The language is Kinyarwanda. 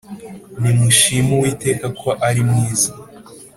Nimushime uwiteka ko arimwiza